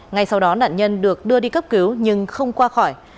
ngay sau đó nạn nhân được đưa đi cấp cứu nhưng không qua khỏi